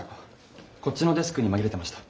こっちのデスクに紛れてました。